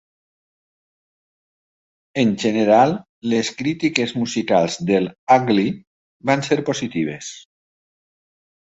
En general, les crítiques musicals de "Ugly" van ser positives.